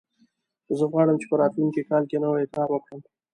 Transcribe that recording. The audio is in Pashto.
زه غواړم چې په راتلونکي کال کې نوی کار وکړم